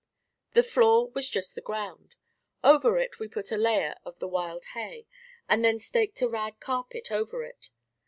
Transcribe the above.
The floor was just the ground. Over it we put a layer of the wild hay and then staked a rag carpet over it.